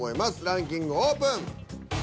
ランキングオープン。